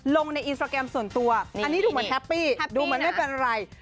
ลงในอินสตราแกรมส่วนตัวอันนี้ดูเหมือนแฮปปี้ดูเหมือนไม่เป็นไร